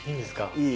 いい？